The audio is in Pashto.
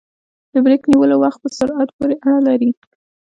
د بریک نیولو وخت په سرعت پورې اړه لري